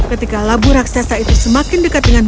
ketika labu raksasa itu semakin dekat dengan